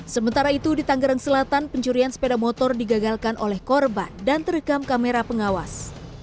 sementara itu di tanggerang selatan pencurian sepeda motor digagalkan oleh korban dan terekam kamera pengawas